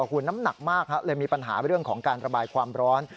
คุณน้ำหนักมากเลยมีปัญหาเรื่องของการระบายความร้อน